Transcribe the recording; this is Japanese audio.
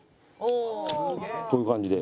こういう感じで。